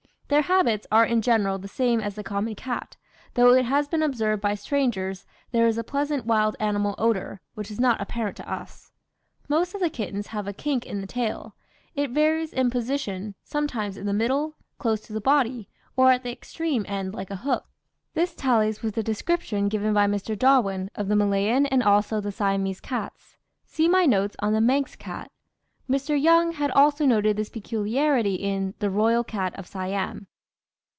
"Their habits are in general the same as the common cat, though it has been observed by strangers, 'there is a pleasant wild animal odour,' which is not apparent to us. "Most of the kittens have a kink in the tail; it varies in position, sometimes in the middle, close to the body, or at the extreme end like a hook." This tallies with the description given by Mr. Darwin of the Malayan and also the Siamese cats. See my notes on the Manx cat. Mr. Young had also noted this peculiarity in "the Royal cat of Siam."